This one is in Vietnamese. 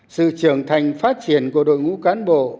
sự trưởng thành phát triển của đội ngũ quân